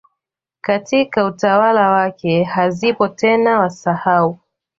katika utawala wake hazipo tena Wasahau